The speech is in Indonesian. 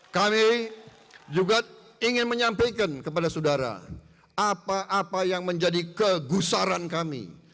kami juga ingin menyampaikan kepada saudara apa apa yang menjadi kegusaran kami